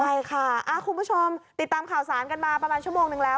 ใช่ค่ะคุณผู้ชมติดตามข่าวสารกันมาประมาณชั่วโมงนึงแล้ว